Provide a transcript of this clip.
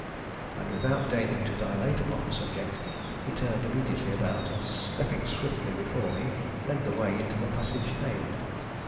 And without deigning to dilate upon the subject, he turned immediately about and, stepping swiftly before me, led the way into the passage named.